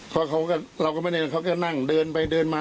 เพราะเขาก็เราก็ไม่ได้เขาก็นั่งเดินไปเดินมา